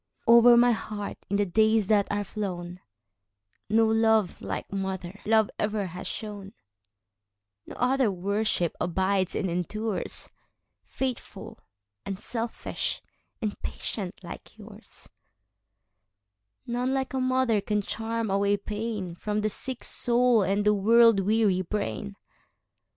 Over my heart, in the days that are flown, No love like mother love ever has shone; No other worship abides and endures,—Faithful, unselfish, and patient like yours:None like a mother can charm away painFrom the sick soul and the world weary brain.